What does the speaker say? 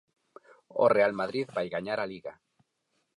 O real Madrid vai gañar a liga.